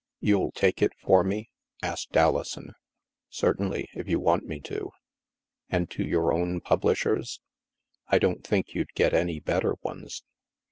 " You'll take it for me ?" asked Alison. " Certainly, if you want me to." "And to your own publishers?" " I don't think you'd get any better ones.